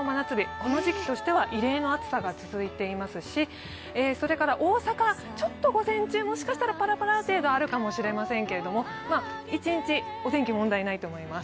この時期としては異例の暑さが続いていますし大阪、午前中、もしかしたらパラパラ程度あるかもしれませんが一日、お天気問題ないと思います。